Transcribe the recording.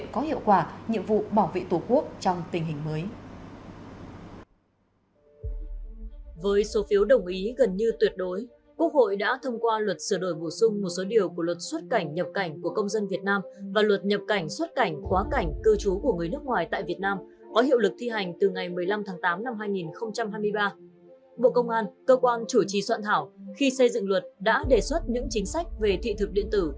cơ quan chủ trì soạn thảo khi xây dựng luật đã đề xuất những chính sách về thị thực điện tử